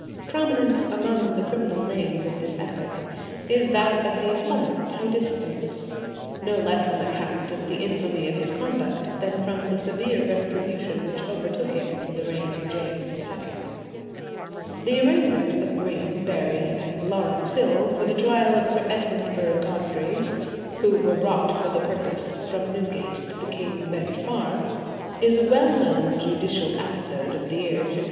Prominent among the criminal names of this epoch is that of the informer, Titus Oates, no less on account of the infamy of his conduct than from the severe retribution which overtook him in the reign of James II. The arraignment of Green, Berry, and Laurence Hill for the trial of Sir Edmundbury Godfrey, who were brought for the purpose "from Newgate to the King's Bench Bar," is a well known judicial episode of the year 1678.